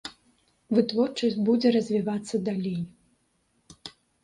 Вытворчасць будзе развівацца далей.